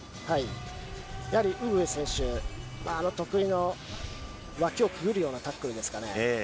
やはりウグエフ選手、得意の脇をくぐるようなタックルですかね。